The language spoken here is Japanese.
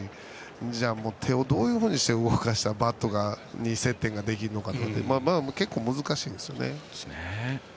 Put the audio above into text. じゃあ、手をどういうふうにして動かしたらバットに接点ができるのかって結構、難しいですよね。